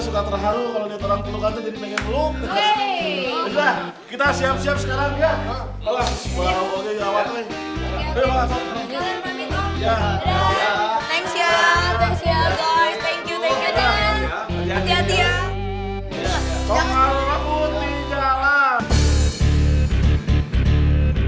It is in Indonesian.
kalian udah nemenin gue